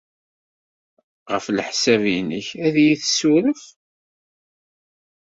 Ɣef leḥsab-nnek, ad iyi-tessuref?